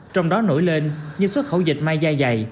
trong đó nổi lên như xuất khẩu dịch mai dai dày